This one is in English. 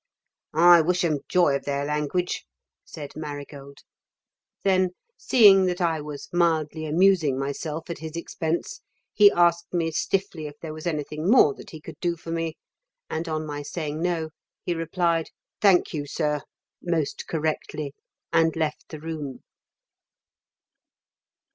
"I wish 'em joy of their language," said Marigold. Then seeing that I was mildly amusing myself at his expense, he asked me stiffly if there was anything more that he could do for me, and on my saying no, he replied "Thank you, sir," most correctly and left the room.